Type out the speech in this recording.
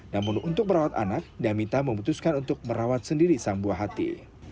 namun untuk merawat anak damita memutuskan untuk merawat sendiri sang buah hati